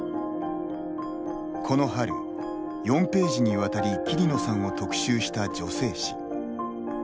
この春、４ページにわたり桐野さんを特集した女性誌。